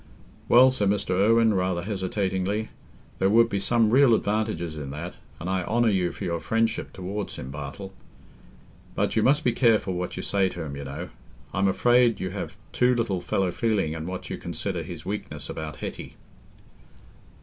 "Well," said Mr. Irwine, rather hesitatingly, "there would be some real advantages in that... and I honour you for your friendship towards him, Bartle. But... you must be careful what you say to him, you know. I'm afraid you have too little fellow feeling in what you consider his weakness about Hetty."